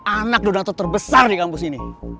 anak donator terbesar di kampus ini